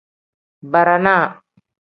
Barana.